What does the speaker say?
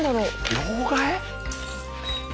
両替？